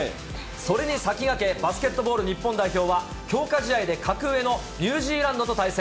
それに先駆け、バスケットボール日本代表は、強化試合で格上のニュージーランドと対戦。